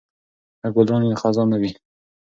که ګلان وي نو خزان نه وي.